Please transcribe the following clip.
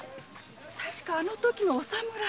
確かあのときのお侍。